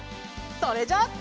それじゃ。